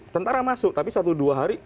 tentara masuk tapi satu dua hari